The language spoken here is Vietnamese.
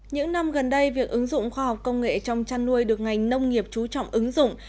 những năm gần đây việc ứng dụng khoa học công nghệ trong chăn nuôi được ngành nông nghiệp trú trọng ứng dụng